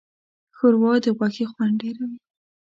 ښوروا د غوښې خوند ډېروي.